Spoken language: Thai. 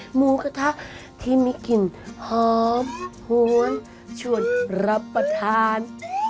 หมูกระทะที่มีกลิ่นหอมหวนชวนรับประทาน